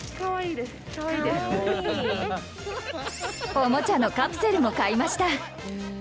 おもちゃのカプセルも買いました。